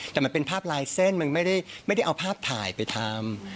แต่มันเป็นภาพลายเส้นมันไม่ได้เอาภาพถ่ายไปทำ